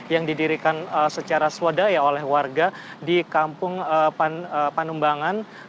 yang didirikan secara swadaya oleh warga di kampung panumbangan